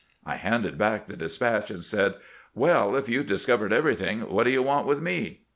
' I handed back the despatch, and said, ' Well, if you 've discovered everything, what do you want with me